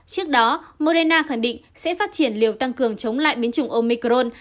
trước đó morena khẳng định sẽ phát triển liều tăng cường chống lại biến chủng omicron